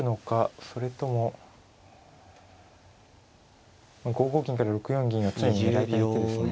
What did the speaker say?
それとも５五金から６四銀は常に狙いたい手ですね。